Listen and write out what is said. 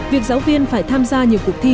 việc giáo viên phải tham gia nhiều cuộc thi